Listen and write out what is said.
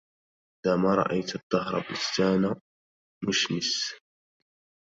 إذا ما رأيت الدهر بستان مشمش